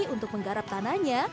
untuk menggarap tananya